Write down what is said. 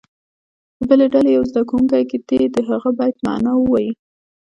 د بلې ډلې یو زده کوونکی دې د هغه بیت معنا ووایي.